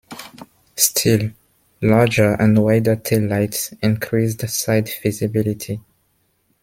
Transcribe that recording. Still larger and wider taillights increased side visibility.